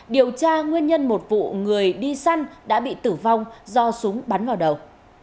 điều tra nguyên nhân một vụ người đi săn đã bị tử vong do súng bắn vào đầu